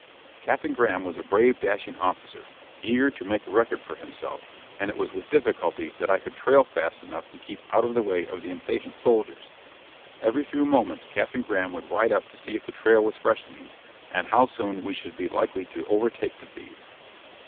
Captain Graham was a brave, dashing officer, eager to make a record for himself, and it was with difficulty that I could trail fast enough to keep out of the way of the impatient soldiers. Every few moments Captain Graham would ride up to see if the trail was freshening and how soon we should be likely to overtake the thieves.